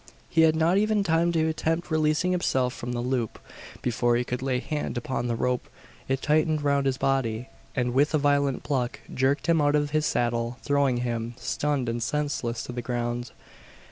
He had not even time to attempt releasing himself from the loop. Before he could lay hand upon the rope, it tightened around his body, and with a violent pluck jerked him out of his saddle throwing him stunned and senseless to the ground.